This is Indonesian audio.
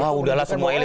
ah udahlah semua elit